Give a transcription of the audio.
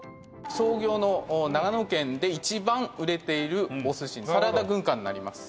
創業の長野県で一番売れているお寿司サラダ軍艦になります。